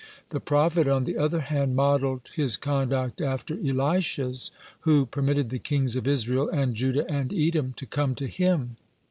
The prophet, on the other hand, modelled his conduct after Elisha's, who permitted the kings of Israel, and Judah, and Edom, to come to him.